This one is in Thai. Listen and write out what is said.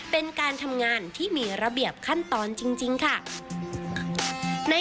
เป็นการทำงานที่มีระเบียบขั้นตอนจริงค่ะ